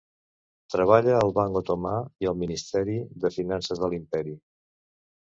Treballa al Banc Otomà i el Ministeri de Finances de l'Imperi.